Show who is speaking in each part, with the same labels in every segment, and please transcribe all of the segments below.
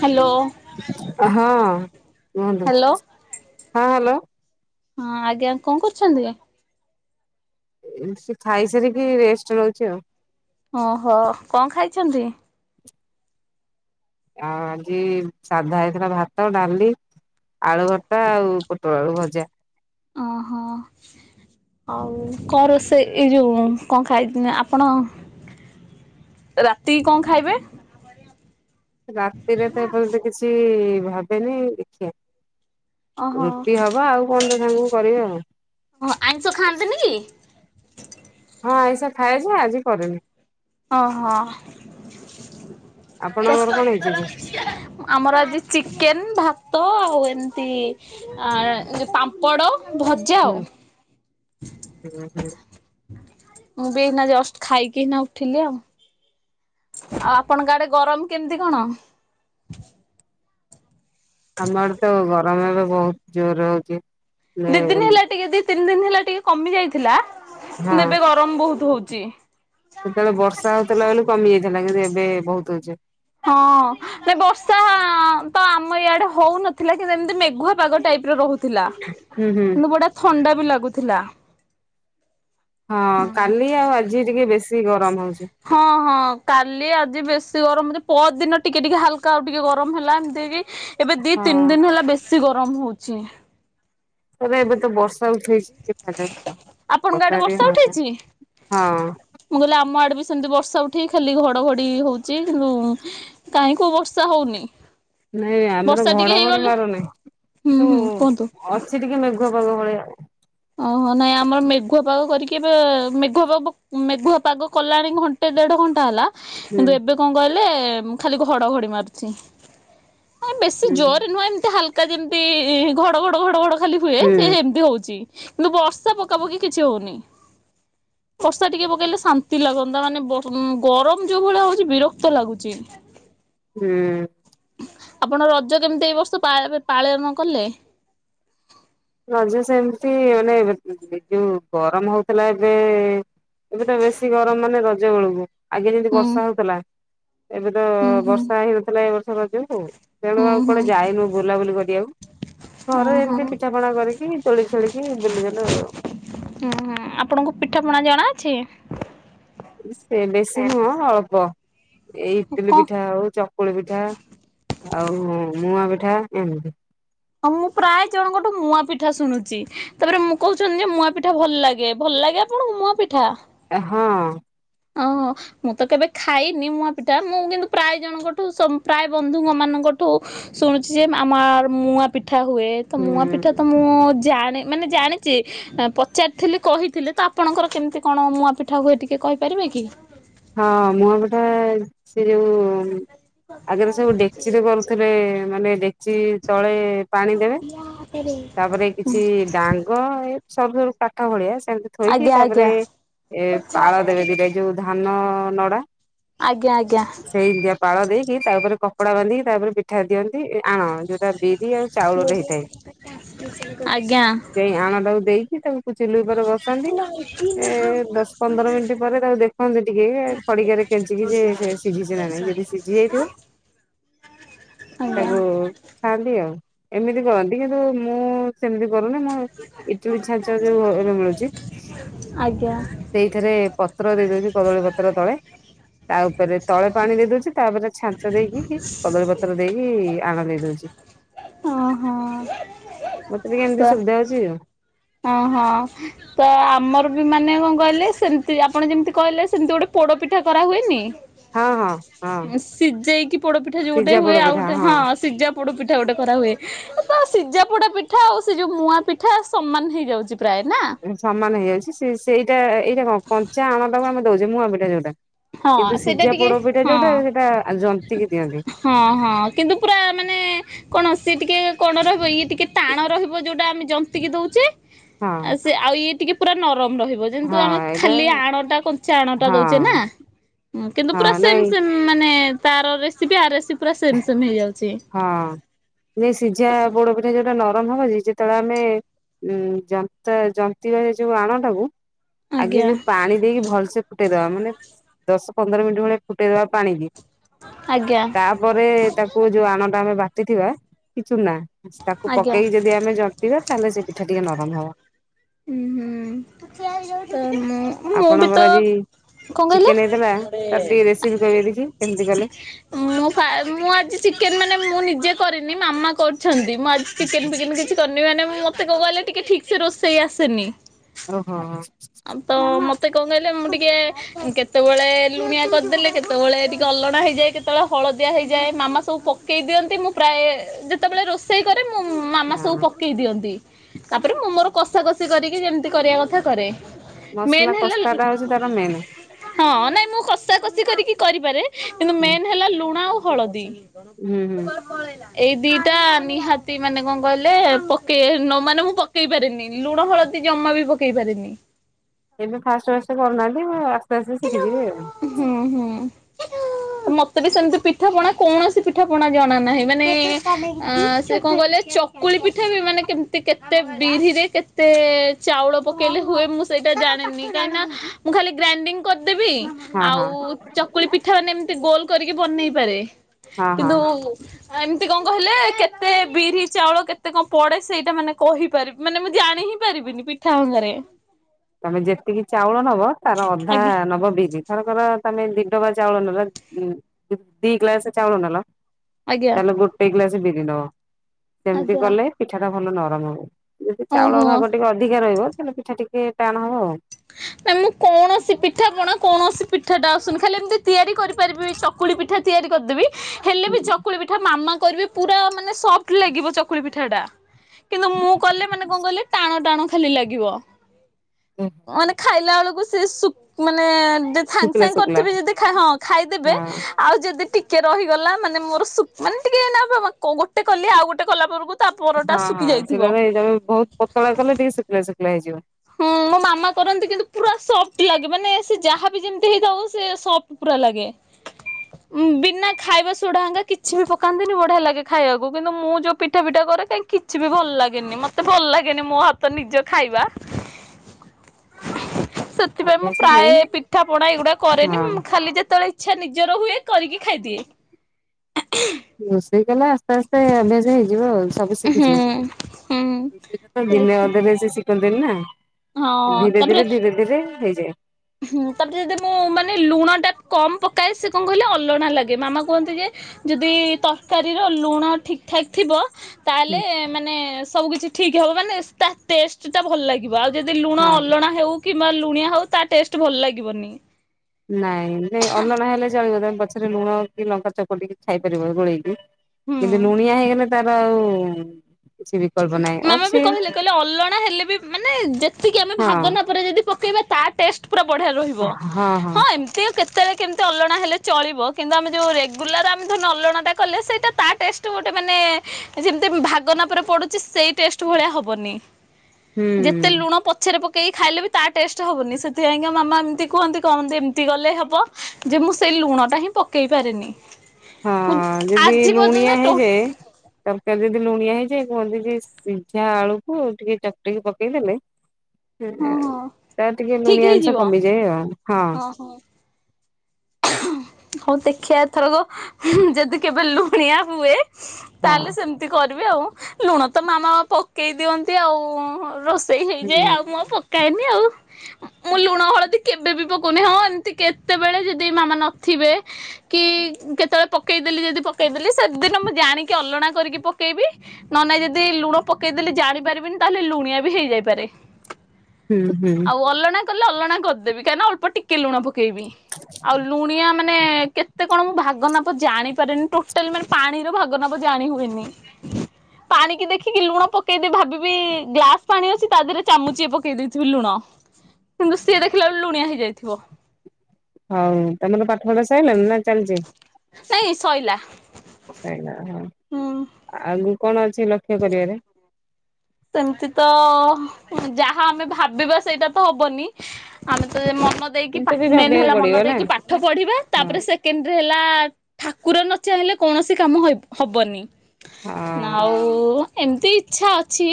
Speaker 1: Hello
Speaker 2: ହଁ କୁହନ୍ତୁ
Speaker 1: hello
Speaker 2: ହଁ ହ୍ୟାଲୋ
Speaker 1: ହଁ ଆଜ୍ଞା କଣ କରୁଛନ୍ତି?
Speaker 2: ସେ ଖାଇସାରିକି ରେଷ୍ଟ ନେଉଛି ଆଉ
Speaker 1: ଓହୋ କଣ ଖାଇଛନ୍ତି?
Speaker 2: ଆଉ ଆଜି ସାଧା ହେଇଥିଲା ଭାତ ଡାଲି ଆଳୁ ଭର୍ତ୍ତା ଆଉ ପୋଟଳ ଆଳୁ ଭଜା।
Speaker 1: ଓହୋ ଆଉ କଣ ରୋଷେଇ ଏଇ ଯୋଉ କଣ ଖାଇ ଆପଣ ରାତିକି କଣ ଖାଇବେ?
Speaker 2: ରାତିରେ ତ ଏପର୍ଯ୍ୟନ୍ତ କିଛି ଭାବିନି ଦେଖିବା
Speaker 1: ଓହୋ
Speaker 2: ରୁଟି ହବ ଆଉ କଣ ତା ସାଙ୍ଗକୁ କରିବା ଆଉ
Speaker 1: ଓ ଆଇଁଷ ଖାଆନ୍ତି ନିକି?
Speaker 2: ହଁ ଆଇଁଷ ଖାଏ ଜେ ଆଜି କରିନି।
Speaker 1: ଓହୋ ତ
Speaker 2: ଆପଣଙ୍କର କଣ ହେଇଛି ଆଜି?
Speaker 1: [inaudible] ଆମର ଆଜି ଚିକେନ ଭାତ ଆଉ ଏମିତି ଆ ପାମ୍ପଡ଼ ଭଜା ଆଉ
Speaker 2: ହୁ ହୁଁ
Speaker 1: ମୁଁ ବି ଏୟିନା ଜଷ୍ଟ ଖାଇକି ଏୟିନା ଉଠିଲି ଆଉ। ଆଉ ଆପଣଙ୍କ ଆଡେ ଗରମ କେମିତି କଣ?
Speaker 2: ଆମ ଆଡ଼େ ତ ଗରମ ଏବେ ବହୁତ ଜୋର ହଉଛି। ହେଲେ
Speaker 1: ଦି ଦିନ ହେଲା ଟିକେ ଦି ତିନି ଦିନ ହେଲା ଟିକେ କମି ଯାଇଥିଲା
Speaker 2: ହଁ
Speaker 1: କିନ୍ତୁ ଏବେ ଗରମ ବହୁତ ହଉଛି।
Speaker 2: ସେତେବେଳେ ବର୍ଷା ହଉଥିଲା ବୋଲି କମି ଯାଇଥିଲା। କିନ୍ତୁ ଏବେ ବହୁତ ହଉଛି।
Speaker 1: ହଁ ନା ବର୍ଷା ତ ଆମ ଇଆଡେ ହଉନଥିଲା। କିିତୁ ଏମିତି ମେଘୁଆ ପାଗ ଟାଇପ ର ରହୁଥିଲା।
Speaker 2: ହୁଁ ହୁଁ
Speaker 1: କିନ୍ତୁ ବଢିଆ ଥଣ୍ଡା ବି ଲାଗୁଥିଲା।
Speaker 2: ହଁ କାଲି ଆଉ ଆଜି ଟିକେ ବେଶି ଗରମ ହଉଛି।
Speaker 1: ହଁ ହଁ କାଲି ଆଜି ବେଶୀ ଗରମ ପରଦିନ ଟିକେ ଟିକେ ହାଲକା ଆଉ ଟିକେ ଗରମ ହେଲା ଏମିତି କି ଏବେ ଦି
Speaker 2: ହଁ
Speaker 1: ତିନି ଦିନ ହେଲା ବେଶି ଗରମ ହଉଚି।
Speaker 2: ରେ ଏବେ ତ ବର୍ଷା ଉଠେଇଛି ଦେଖାଯାଉ
Speaker 1: ଆପଣଙ୍କ ଆଡେ
Speaker 2: ବର୍ଷା ହେଲେ
Speaker 1: ଉଠେଇଛି?
Speaker 2: ହଅନ୍ତା ହଁ
Speaker 1: ମୁଁ କହିଲି ଆମ ଆଡ଼େ ବି ସେମିତି ବର୍ଷା ଉଠି ଖାଲି ଘଡଘଡି ହଉଛି। କିନ୍ତୁ କାହିଁ କୋଉ ବର୍ଷା ହଉନି।
Speaker 2: ନାଇଁ ଆମର
Speaker 1: ବର୍ଷା ଟିକେ
Speaker 2: ଘଡଘଡି
Speaker 1: ହେଇଗଲେ
Speaker 2: ମାରୁନି
Speaker 1: ହୁଁ
Speaker 2: କିନ୍ତୁ
Speaker 1: ହୁଁ କୁହନ୍ତୁ।
Speaker 2: ଅ ଛି ଟିକେ ମେଘ ପାଗ ଭଳିଆ ଆଉ
Speaker 1: ଓହୋ ନାଇଁ ଆମର ମେଘୁଆ ପାଗ କରିକି ଏବେ ମେଘୁପାଗ ମେଘୁଆ ପାଗ କଲାଣି ଘଣ୍ ଘଣ୍ଟେ ଦେଢ ଘଣ୍ଟା ହେଲା।
Speaker 2: ହୁଁ
Speaker 1: କିନ୍ତୁ ଏବେ କଣ କହିଲେ ଖାଲି ଘଡଘଡି ମାରୁଛି। ଆ ବେଶୀ
Speaker 2: ହୁଁ
Speaker 1: ଜୋରରେ ନୁହଁ ଏମିତି ହାଲକା ଯେମିତି ଘଡ ଘଡ ଘଡ ଘଡ ଖାଲି ହୁଏ
Speaker 2: ହୁଁ
Speaker 1: ସେ ଏମତି ହଉଛି କିନ୍ତୁ ବର୍ଷା ପକାପକି କିଛି ହଉନି। ବର୍ଷା ଟିକେ ପକେଇଲେ ଶାନ୍ତି ଲାଗନ୍ତା ମାନେ ଗରମ ଯୋଉ ଭଳିଆ ହଉଛି ବିରକ୍ତ ଲାଗୁଛି। [inaudible]
Speaker 2: ହୁଁ
Speaker 1: ଆପଣ ରଜ କେମିତି ଏଇ ବର୍ଷ ପା-ପାଳୟନ କଲେ?
Speaker 2: ରଜ ସେମିତି ମାନେ ଯୋଉ ଗରମ ହଉଥିଲା ଏବେ। ଏବେ ତ ବେଶୀ ଗରମ ମାନେ ରଜ ବେଳକୁ ଆଗେ ଯେମିତି
Speaker 1: ହୁଁ
Speaker 2: ବର୍ଷା ହଉଥିଲା। ଏବେ ତ
Speaker 1: ହୁଁ ହୁଁ
Speaker 2: ବର୍ଷା ହେଇନଥିଲା ଏ ବର୍ଷ ରଜୁକୁ। ତେଣୁ
Speaker 1: ହୁଁ
Speaker 2: ଆଉ
Speaker 1: ହୁଁ
Speaker 2: କଆଡେ ଯାଇନୁ ବୁଲାବୁଲି କରିବାକୁ। ଘରେ ଏମିତି
Speaker 1: ଓହୋ।
Speaker 2: ପିଠାପଣା କରିକି ଦୋଳି ଖେଳିକି ବୁଲିଗଲୁ ଆଉ।
Speaker 1: ହୁଁ ହୁଁ ଆପଣଙ୍କୁ ପିଠା ପଣା ଜଣା ଅଛି?
Speaker 2: ସେ ବେଶୀ ନୁହଁ ଅଳ୍ପ। ଏଇ ଇଟିଲି
Speaker 1: କଣ
Speaker 2: ପିଠା ଆଉ ଚ କୁଳି ପିଠା ଆଉ ମୁଆ ପିଠା ଏମିତି।
Speaker 1: ହଁ ମୁଁ ପ୍ରାୟ ଜଣଙ୍କଠୁ ମୁଆ ପିଠା ଶୁଣୁଛି। ତାପରେ ମୁଁ କହୁଛନ୍ତି ଯେ ମୁଆ ପିଠା ଭଲ ଲାଗେ ଭଲ ଲାଗେ କଣ ମୁଆ ପିଠା
Speaker 2: ହଁ
Speaker 1: ଓଁହ ମୁଁ ତ କେବେ ଖାଇନି ମୁୂଆ ପିଠା। ମୁଁ କିନ୍ତୁ ପ୍ରାୟ ଜଣଙ୍କଠୁ ପ୍ରାୟ ବନ୍ଧୁଙ୍କ ମାନଙ୍କଠୁ ଶୁଣୁଛି ଯେ ଆମାର ମୁୂଆ ପିଠା ହୁଏ। ତ
Speaker 2: ହୁଁ
Speaker 1: ମୁୂଆ ପିଠା ତ ମୁଁ ଜାଣେ ମାନେ ଜାଣିଛି। ପଚାରିଥିଲି କହିଥିଲି ତ ଆପଣଙ୍କର କେମିତି କଣ ମୁୂଆ ପିଠା ହୁଏ ଟିକେ କହିପାରିବେ କି?
Speaker 2: ହଁ ମୁୂଆ ପିଠା ସେ ଯୋଉ ଆଗରେ ସବୁ ଡେକଚିରେ କରୁ ରେ ମାନେ ଡେକଚି ତଳେ ପାଣି ଦେବେ। ତାପରେ କିଛି ଡାଙ୍ଗ ଏ ସବୁ ସବୁ କାଠ ଭଳିଆ ସେମିତି ଥୋଇକି
Speaker 1: ଆଜ୍ଞା
Speaker 2: ତାପରେ
Speaker 1: ଆଜ୍ଞା
Speaker 2: ଏ ପାଳ ଦେବେ। ଦିଇଟା ଯୋଉ ଧାନ ନଡା
Speaker 1: ଆଜ୍ଞା ଆଜ୍ଞା
Speaker 2: ସେଇଆ ପାଳ ଦେଇକି ତାରେ କପଡା ବାନ୍ଧିକି ତାପରେ ପିଠା ଦିଅନ୍ତି ଏ ଆଣ ଯୋଉଟା ବିରି ଆଉ ଚାଉଳ ର ହେଇଥାଏ।
Speaker 1: ଆଜ୍ଞା।
Speaker 2: [inaudible] ସେ ଆଣ ଟାକୁ ଦେଇକି ତାଙ୍କୁ ଚିଲି ଉପରେ ବସାନ୍ତି। ଏ ଦଶ ପନ୍ଦର ମିନିଟ ପରେ ତାକୁ ଦେଖ ନ୍ତି ଟିକେ ଖଡିକାରେ କେଞ୍ଚିକି ଯେ ସେ ସିଝିଛି ନା ନାଇଁ। ଯଦି ସିଝି ଯାଇଥିବ
Speaker 1: ଆଜ୍ଞା
Speaker 2: ତାକୁୁ ଖାଆନ୍ତି ଆଉ ଏମିତି କରନ୍ତି କିନ୍ତୁ ମୁଁ ସେମିତି କରୁନି ମୁଁ ଇଟିଲୀ ଛାଞ୍ଚ ଯୋଉ ଏବେ ମିଳୁଛି।
Speaker 1: ଆଜ୍ଞା
Speaker 2: [inaudible] ସେଇଠାରେ ପତ୍ର ଦେଇ ଦଉ କଦଳୀ ପତ୍ର ତଳେ, ତା ଉପରେ ତଳେ ପାଣି ଦେଇ ଦଉଛି ତାପରେ ଛା ଞ୍ଚ ଦେଇକି କଦଳୀ ପତ୍ର ଦେଇକି ଆଣ ଦେଇ ଦଉଛି।
Speaker 1: ଓହୋ
Speaker 2: [unintelligible] ମତେ ଟିକେ ଏମିତି ସୁବିଧା ହଉଛି ଆଉ।
Speaker 1: ହଁ ହଁ ତ ଆମର ବି ମାନେ କଣ କହିଲେ ସେମତି ଆପଣ ଯେମିତି କହିଲେ ସେମତି ଗୋଟେ ପୋଡ ପିଠା କରାହୁଏନି?
Speaker 2: ହଁ ହଁ ହଁ
Speaker 1: ସିଝେଇକି ପୋଡପିଠା ଯୋଉ ଗୋଟେ
Speaker 2: ସିଝା
Speaker 1: ହୁଏ
Speaker 2: ପୋଡ
Speaker 1: ଆଉ
Speaker 2: ପିଠା
Speaker 1: ଗୋଟେ ହଁ ସିଝା ପୋଡ ପିଠା ଗୋଟେ କରା ହୁଏ। ନା ସିଜା ପୋଡା ପିଠା ଆଉ ସେ ଯୋଉ ମୁଆ ପିଠା ସମାନ ହେଇଯାଉଛି ପ୍ରାୟ ନା।
Speaker 2: ସମାନ ହେଇଯାଉଛି ସେ ସେଇଟା ଏଇଟା କଣ କଞ୍ଚା ଆଣ ତାକୁ ଆମେ ଦଉଛେ ମୁଁ ପିଠା ଯୋଉଟା।
Speaker 1: ହଁ
Speaker 2: କିନ୍ତୁ
Speaker 1: ସେଇଟା
Speaker 2: ସିଝା
Speaker 1: ଟିକେ
Speaker 2: ପୋଡବି ଟା
Speaker 1: ହଁ
Speaker 2: ଯୋଉଟା ସେଟା ଜନ୍ତିକି ଦିଅନ୍ତି।
Speaker 1: ହଁ ହଁ କିନ୍ତୁ ପୁରା ମାନେ କଣ ସିଏ ଟିକେ କଣ ରହିବ ଇଏ ଟିକେ ତାଣ ରହିବ ଯୋଉଟା ଆମେ ଜମତିକି ଦଉଛେ?
Speaker 2: ହଁ
Speaker 1: ଆ ସେ ଆଉ ଇଏ ଟିକେ ପୁରା ନରମ ରହିବ ଯେମୁ
Speaker 2: ହଁ
Speaker 1: ଆମେ
Speaker 2: ଏଇଟା
Speaker 1: ଖାଲି ଆଣଟା କଞ୍ଚା ଆଣଟା
Speaker 2: ହଁ
Speaker 1: ଦଉଛେ ନା। ହଁ କିନ୍ତୁ ପୁର ସେମ ସେମ ମାନେ ତାର ରେସିପି ଆ ପୁରା ସେମ ସେମ ହେଇଯାଉଛି।
Speaker 2: ହଁ ଯେ ସିଝା ପୋଡ଼ ପିଠା ଯୋଉଟା ନରମ ହବ ଯେ ଯେତେବେଳେ ଆମେ ଉୁଁ ଯନ୍ତ ଜନ୍ତିବା ସେଇ ଯୋଉ ଆଣଟାକୁ- ଆଗେ
Speaker 1: ଆଜ୍ଞା
Speaker 2: ଯୋଉ ପାଣି ଦେଇକି ଭଲସ ଫୁଟେଇଦବା। ମାନେ ଦଶ ପନ୍ଦର ମିନିଟ ଭେଳିଆ ଫୁଟେଇଦବା ପାଣି କି
Speaker 1: ଆଜ୍ଞା
Speaker 2: ପରେ ତାକୁ ଯୋଉ ଆଣଟା ଆମେ ବାଟିଥିବା କି ଚୁନା ତାକୁ
Speaker 1: ଆଜ୍ଞା
Speaker 2: ପକେଇ ଯଦି ଆମେ ଜନ୍ତିବା ତାହେଲେ ସେ ପିଠା ଟିକେ ନରମ ହବ।
Speaker 1: ହୁଁ ହୁଁ ମୁଁ ବି ତ କଣ କହିଲେ?
Speaker 2: ଚିକେନ ହେଇଥିଲା ତାର ଟିକେ ରେସିପି କହିବେ ଦେଖି କେମିତି କଲେ?
Speaker 1: ମୁଁ ମୁଁ ଆଜି ଚିକେନ ମାନେ ମୁଁ ନିଜେ କରିନି ମ ମାମା କରୁଛନ୍ତି ମୁଁ ଆ ଚିକେନ ଫିକେନ୍ କିଛି କରିନି ମାନେ ମୋତେ କହୁ ଗଲେ ଟିକେ ଠିକ ସେ ରଷେଇ ଆସେନି।
Speaker 2: ଓଃ ହୋ।
Speaker 1: ତ ମତେ କଣ କହିଲେ ମୁଁ ଟିକେ କେତେବେଳେ ଲୁଣିଆ କରିଦେଲେ କେତେବେଳେ ଟିକେ ଅଲଣା ହେଇଯାଏ। କେତେବେଳେ ହଳଦିଆ ହେଇଯାଏ ମାମା ସବୁ ପ ପକେଇ ଦିଅନ୍ତି ମୁଁ ପ୍ରାୟ ଯେତେବେଳେ ରୋଷ ସେଇ କରେ ମୁଁ ମାମା ସବୁ
Speaker 2: ହଁ
Speaker 1: ପକେଇ ଦିଅନ୍ତି ତାପରେ ମୁଁ ମୋର କଷାକଷି କରିକି ଯେମିତି କରିବା କଥା କରେ। ମେନ୍
Speaker 2: ମସଲା
Speaker 1: ହେଲା
Speaker 2: କସ୍ତା ଟା ହଉଛି ତାର ମେନ୍।
Speaker 1: ହଁ ନାଇଁ ମୁଁ କଷା କଷି କରିକି କରିପାରେ, କିନ୍ତୁ
Speaker 2: ହୁଁ
Speaker 1: ମେନ୍ ହେଲା ଲୁଣ ଆଉ ହଳଦୀ। କଣ
Speaker 2: ହୁଁ ହୁଁ
Speaker 1: [inaudible] ଏଇ ଦିଟା ନିହାତି ମାନେ କଣ କହିଲେ, ପକେଇ ନ ମାନେ ମୁଁ ପକେଇ ପାରେନି। ଲୁଣ ହଳଦୀ ଜମା ବି ପକେଇ ପାରନି।
Speaker 2: ଏବେ ଫାଷ୍ଟ ଫାଷ୍ଟ କରୁନାହାନ୍ତି ମୁଁ ଆସ୍ତେ ଆସ୍ତେ ଶିଖିଯିବି ଆଉ।
Speaker 1: ହଁ ହଁ ମିଠୁ ମତେ ବି ସେମିତି ପିଠା ପଣା କୌଣସି ପିଠା ପଣା ଜଣା ନାହିଁ। ମାନେ ସେ କଣ କହିଲେ ଚ କୁଳି ପିଠା ବି ମାନେ କେମିତି କେତେ ବିରିରେ କେତେ ଚାଉଳ ପକେଇଲେ ହୁଏ ମୁଁ ସେ ସେଇଟା ଜାିନନି କାହିଁ ନା ମୁଁ ଖାଲି ଗ୍ରାଇଣ୍ଡିଙ୍ ଦେବି
Speaker 2: ହଁ ହଁ
Speaker 1: ଆଉ ଚକୁଳି ପିଠା ମାନେ ଏମିତି ଗୋଲ କରିକି ବନେଇ ପାରେ।
Speaker 2: ହଁ ହଁ
Speaker 1: କିନ୍ତୁ ଆ ଏମିତି କଣ କହିଲେ କେତେ ବିରି ଚାଉଳ କେତେ କଣ ପଡେ ସେଇଟା ମାନେ କହିପାରି ମାନେ ମୁଁ ଜାଣି ହିଁ ପାରିବିନି ପିଠା ଅଙ୍ଗରେ।
Speaker 2: ତମେ ଯେତିକି ଚାଉଳ ନବ ତାର ଅଧା
Speaker 1: ଆଜ୍ଞା
Speaker 2: ନବ ବିରି। ଥରକର ତମେ ଦି ଡବା ଚାଉଳ ନେଲ। ଦି ଗ୍ଲାସ ଚାଉଳ ନେଲ।
Speaker 1: ଆଜ୍ଞା
Speaker 2: ତାହେଲେ ଗୋଟେ ଗ୍ଲାସ ବିରି ଦବ। ସେମିତି କଲେ ପିଠା ଟା ଭଲ ନରମ ହବ। ଯଦି ଚାଉଳ
Speaker 1: ଓହୋ
Speaker 2: ଭାଗ ଟିକେ ଅଧିକା ରହିବ ତାହେଲେ ପିଠା ଟିକେ ଟାଣ ହବ। ଆଉ
Speaker 1: ନା ମୁଁ କ କୌଣସି ପିଠା ପଣା କୌଣସି ପିଠାଟା ଆସୁନି। ଖାଲି ଏମିତି ତିଆରି କରିପାରିବି ଚକୁଳି ପିଠା ତିଆରି କରିଦେବି। ହେଲେ ବି
Speaker 2: ହୁଁ
Speaker 1: ଚକୁଳି ପିଠା ମାମା କରିବେ ପୁରା ମାନେ ସଫ୍ଟ ଲାଗିବ ଚକୁଳି ପିଠା ଟା। କିନ୍ତୁ ମୁଁ କଲେ ମାନେ କଣ କହିଲେ ଟାଣ ଟାଣ ଖାଲି ଲାଗିବ।
Speaker 2: [inaudible]
Speaker 1: ମାନେ ଖାଇଲା ବେଳକୁ ସେ ସୁ ମାନେ ଦେ ସାଙ୍ଗେ
Speaker 2: ଶୁଖିଲା
Speaker 1: ସାଙ୍ଗେ
Speaker 2: ଶୁଖିଲା
Speaker 1: କରିଥିବେ ଯଦି ହଁ ଖାଇଦେବେ।
Speaker 2: ହଁ
Speaker 1: ଆଉ ଯଦି ଟିକେ ରହିଗଲା ମାନେ ମୋର ସୁ ମାନେ ଟିକେ ଗୋଟେ କଲି ଆଉ ଗୋଟେ କଲାପରକୁ
Speaker 2: ହଁ ହଁ ସେଗା ଏଇମେ ବହୁତ ପତଳା କଲେ ଟିକେ ଶୁଖିଲା ଶୁଖିଲା ହେଇଯିବ।
Speaker 1: ହୁଁ ମ ମାମା କରନ୍ତି କିନ୍ତୁ ପୁରା ସଫ୍ଟ ଲାଗେ ମାନେ ସେ ଯାହାବି ଯେମିତି ହେଇଥାଉ ସେ ସଫ୍ଟ ପୁରା ଲାଗେ। [unintelligible] ବିନା ଖାଇବା ସୋଢ଼ା ହଏକା କିଛି ବି ପକାନ୍ତିନି ବଢ଼ିଆ ଲାଗେ ଖାଇବାକୁ କିନ୍ତୁ ମୁଁ ଯେଉଁ ପିଠା ପିଠା କରେ କାଇଁ କି କିଛି ବି ଭଲ ଲାଗେନି ମତେ ଭଲ ଲାଗେନି ମୋ ହାତ ନିଜ ଖାଇବା। ସେଥିପାଇଁ ମୁଁ
Speaker 2: ଅଭ୍ୟାସ
Speaker 1: ପ୍ରାୟ
Speaker 2: ହେଇନି
Speaker 1: ପିଠା ପଣା ଏଇଗୁଡା କରେନି।
Speaker 2: ହଁ
Speaker 1: ଖାଲି ଯେତେବେଳେ ଇଚ୍ଛା ନିଜର ହୁଏ କରିକି ଖାଇଦିଏ।
Speaker 2: ରୋଷେଇ କଲେ ଆସ୍ତେ ଆସ୍ତେ ଅଭ୍ୟାସ ହେଇଯିବ ଆଉ ସବୁ
Speaker 1: ହୁଁ
Speaker 2: ଶିଖିଯିବେ।
Speaker 1: ହୁଁ
Speaker 2: ସେଟା ତ ଦିନେ
Speaker 1: ସେଥି
Speaker 2: ଅଧେରେ ସେ ଶିଖନ୍ତିନି ନା
Speaker 1: ହଁ
Speaker 2: ଧୀରେ
Speaker 1: ତାପରେ
Speaker 2: ଧୀରେ ଧୀରେ ଧୀରେ ହେଇଯାଏ।
Speaker 1: ହୁଁ ତାପରେ ଯଦି ମୁଁ ମାନେ ଲୁଣ ଟା କମ୍ ପକାଏ ସେ କଁ କହିଲେ ଅଲଣା ଲାଗେ ମାମା କୁହନ୍ତି ଯେ ଯଦି ତରକାରୀ ର ଲୁଣ ଠିକ ଠାକ୍ ଥିବ ତାଏଲେ ମାନେ ସବୁ କିଛି ଠିକ୍ ହବ ମାନେ ସ୍ ତା ତେଷ୍ ତେଷ୍ ଭଲ ଲାଗିବ ଆଉ ଯଦି ଲୁଣ
Speaker 2: ହଁ
Speaker 1: ଅଲଣା ହେଉ କିମ୍ବା ଲୁଣିଆ ହଉ ତା ଟେଷ୍ଟ ଭଲ ଲାଗିବନି।
Speaker 2: ନାଇଁ ନାଇଁ ଅଲଣା ହେଲେ ଚଳିବ ତମେ ପଛରେ ଲୁଣ କି ଲଙ୍କା ଚକଟି କି ଖାଇପାରିବ ଗୋଳେଇକି। କିନ୍ତୁ
Speaker 1: ହୁଁ।
Speaker 2: ଲୁଣିଆ ହେଇଗଲେ ତାର ଆଉ କିଛି ବିକଳ୍ପ ନାହିଁ
Speaker 1: ମାମା
Speaker 2: ଅଛି
Speaker 1: ବି କହିଲେ କଇଲେ ଅଲଣା ହେଲେ ବି ମାନେ ଯେତିକି ଆମେ
Speaker 2: ହଁ
Speaker 1: ଭାଗ ମାପରେ ଯଦି ପକେଇବେ ତା ଟେଷ୍ଟ ପୁରା ବଢିଆ ରହିବ। ହଁ ଏମ୍ ଥିଅ କେତେଏଳେ କେମିତି ଅଲଣା ହେଲେ ଚଳିବ କିନ୍ତୁ ଆମେ ଯେଉଁ ରେଗୁଲାର ଆମେ ଧନ ଅଲଣାଟା କଲେ ସେଇଟା ତା ଟେଷ୍ ତ ଗୋଟେ ମାନେ ଯେମିତି ଭାଗ ନା ପରେ ପଡୁ ସେ ସେଇ ଟେଷ୍ଟ ଭଳିଆ ହବନି ଯେତେ
Speaker 2: ହୁଁ
Speaker 1: ଲୁଣ ପତ୍ ଛେରେ ପକେଇ ଖାଇଲେ ବି ତା ଟେଷ୍ଟ ହବନି। ସେଥିପାଇଁକା ମାମା ଏମିତି କୁହନ୍ତି କଅନ୍ତି ଏମିତି ଗଲେ ହବ। ଯେ ମୁଁ ସେଇ ଲୁଣ ଟା ହିଁ ପକେଇ ପାରେନି।
Speaker 2: ହଁ
Speaker 1: ମୁଁ
Speaker 2: ଯଦି
Speaker 1: ଆଜି ପର୍ଯ୍ୟନ୍ତ
Speaker 2: ଲୁଣିଆ
Speaker 1: ଟୋ
Speaker 2: ହେଇଯାଏ। ତରକାରୀ ଯଦି ଲୁଣିଆ ହେଇଯାଏ କୁହନ୍ତି ଯେ ସିଝା ଆଳୁକୁ ଟିକେ ଚକଟିକି ପକେଇଦେଲେ
Speaker 1: [inaudible] ହଁ
Speaker 2: [inaudible] ତା ଟିକେ ଲୁଣିଆ ଆଂଷ କମିଯାଏ ଆଉ। ହଁ
Speaker 1: ଅହୋ [unintelligible] ହଉ ଦେଖିଆ ଏଥରକ ଯଦି କେବେ ଲୁଣିଆ ହୁଏ
Speaker 2: ହଁ
Speaker 1: ତାଏଲେ ସେମିତି କରିବି ଆଉ ଲୁଣ ତ ମାମା ପକେଇ ଦିଅନ୍ତି ଆଉ ରୋଷ୍ ସେଇ
Speaker 2: ହୁଁ
Speaker 1: ହେଇଯାଏ ଆଉ ମୁଁ ଆଉ ପ କାଏନି ଆଉ ମୁଁ ଲୁଣ ହଳଦୀ କେବେ ବି ପକଉନି ହଁ ଏମିତି କେତେବେଳେ ଯ ତି ମାମା ନ ଥିବେ। କି କେତେଏଳେ ପକେଇଦେଲି ଯଦି ପକେଇଦେଲି ସେଦିନ ମୁଁ ଜାଣିକି ଅଲଣା କରିକି ପକେଇବି। ନ ନାଇ ଯଦି ଲୁଣ ପକେଇଦେଲି ଜାଣିପାରିବିନି ତାହେଲେ ଲୁଣିଆ ବି ହେଇଯାଇପାରେ।
Speaker 2: ହୁଁ ହୁଁ
Speaker 1: ଆଉ ଅଲଣା କଲେ ଅଲଣା କଦେବି କାଇଁନା ଅଳ୍ପ ଟିକେ ଲୁଣ ପକେଇବି।
Speaker 2: [inaudible]
Speaker 1: ଆଉ ଲୁଣିଆ ମାନେ କେତେ କଣ ମୁଁ ଭାଗ ମାପ ଜାଣିପାରେନି ଟୋଟାଲ୍ ମାନେ ପାଣିର ଭାଗ୍ ନାପା ଜାଣି ହୁଏନି। ପାଣିକି ଦେଖିକି ଲୁଣ ପକେଇଦେ ଭାବିବି ଗ୍ଲାସ ପାଣି ଅଛି ତା ଧିଏରେ ଚାମୁଚି ପକେଇ ଦେଇଥିବି ଲୁଣ। କିନ୍ତୁ ସିଏ ଦେଖିଲା ଏଳୁ ଲୁଣିଆ ହେଇଯାଇଥିବ।
Speaker 2: ହଉ ତମର ପାଠ ପଢା ସାଇଲାଣି ନା ଚାଲିଚି?
Speaker 1: ନାଇ ଶଇଲା।
Speaker 2: ସଇଲା ହଁ ଆଗୁକୁ କଣ ଅଛି ଲକ୍ଷ୍ୟ କରିଆରେ।
Speaker 1: ସେମିତି ତ ଯାହା ଆମେ ଭାବିବା ସେଇଟା ତ ହବନି। ଆମେ ତ ଏ ମନ ଦେଇକି ପା
Speaker 2: କିନ୍ତୁ ବି
Speaker 1: ମେନେ
Speaker 2: ଭାବିବାକୁ
Speaker 1: ହେଲା
Speaker 2: ପଡିବ
Speaker 1: ମନ
Speaker 2: ନା
Speaker 1: ଦେଇକି ପାଠ ପଢିବା
Speaker 2: ହଁ
Speaker 1: ତାପରେ ସେ କେଣ୍ଡରେ ହେଲା ଠାକୁର ନଚାହିଁଲେ କୌଣସି କାମ ହଏବ୍ ହବନି।
Speaker 2: ହଁ
Speaker 1: ନାଉ ଏମିତି ଇଚ୍ଛା ଅଛି।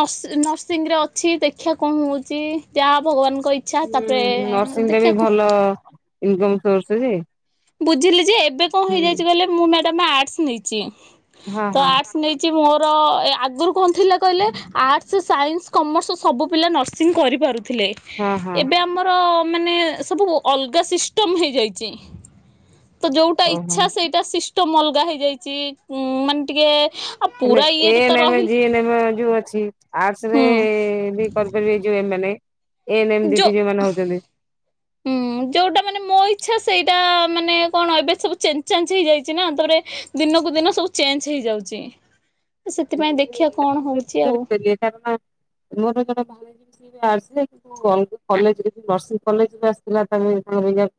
Speaker 1: ନସ୍ ନର୍ସିଂ ରେ ଅଛି ଦେଖିଆ କଣ ହଉଚ଼ି ଯାହା ଭଗବାନଙ୍କ ଇ
Speaker 2: ଉୁଁ ନର୍ସିଂଟା ବି ଭଲ ଇନକମ ସୋର୍ସ ଯେ।
Speaker 1: ବୁଝିଲି ଯେ ଏବେ କଁ
Speaker 2: ହୁଁ
Speaker 1: ହେଇଯାଇଚ଼ି କଲେ ମୁଁ ମ୍ୟାଡାମ୍ ଆର୍ଟସ୍ ନେଇଚ଼ି
Speaker 2: ହଁ
Speaker 1: ତ
Speaker 2: ହଁ
Speaker 1: ଆର୍ଟ୍ସ୍ ନେଇଚ଼ି ମୋର ଏ ଆଗରୁ କଁ ଥିଲା କଇଲେ ଆର୍ଟ୍ସ୍, ସାଇନ୍ସ, କମର୍ସ ସବୁ ପିଲା ନରସ୍ ସିଙ୍ଗ୍ କରିପାରୁଥିଲେ।
Speaker 2: ହଁ ହଁ
Speaker 1: ଏବେ ଆମର ମାନେ ସବୁ ଅଲଗା ସିଷ୍ଟମ ହେଇଯାଇଚ଼ି। ତ ଯେଉଟା
Speaker 2: ଓହୋ
Speaker 1: ଇଚ୍ଛା ସେଇଟା ସିଷ୍ଟମ୍ ଅଲଗା ହେଇଯାଇଚ଼ି ମାନ୍ ଟିକେ ଆଉ
Speaker 2: ହେଲେ
Speaker 1: ପୁରା
Speaker 2: ଏ
Speaker 1: ଇଏରେ ତ
Speaker 2: ନେମେ,
Speaker 1: ରହିଲେ
Speaker 2: ଯି ନେମେ ଯୋଉ ଅଛି। ଆର୍ଟସ ରେ
Speaker 1: ହୁଁ
Speaker 2: ବି କରିପାରିବେ ଯୋଉ ଏମାନେ ଏନେ ମ୍ ଦିଦି ଯୋଉ ମାନେ ହଉଚ଼ନ୍ତି।
Speaker 1: ହଁ। ଉୁଁ ଯୋଉଟା ମାନେ ମୋ ଇଚ୍ଛା ସେଇଟା ମାନେ କଣ ଏବେ ସବୁ ଚେନ୍ଜ ଚାନ୍ଜ ହେଇଯାଇଚ଼ି ନା ତାପରେ ଦିନକୁ ଦିନ ସବୁ ଚେଞ୍ଜ ହେଇଯାଉଚ଼ି ସେଥିପାଇଁ ଦେଖିଆ କଣ ହଉଛି ଆଉ।
Speaker 2: ବୁଝାବୁଝି [unintelligible] ମୋର [unintelligible] [unintelligible] ଆସିଲେ [unintelligible] କଲେଜରେ ବି ନର୍ସିଂ କଲେଜ ବି ଆସିଥିଲା ତାଙ୍କ [unintelligible]